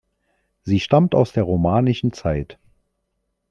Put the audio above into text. Sie stammt aus der romanischen Zeit.